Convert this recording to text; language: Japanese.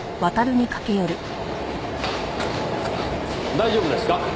大丈夫ですか？